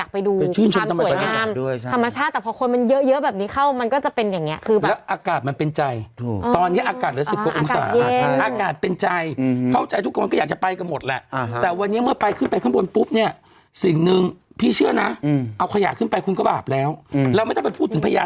เพคเพราะฉะนั้นเราก็เลยจะเห็นเป็นเกิดขึ้นมาเยอะแยะเลยอ่า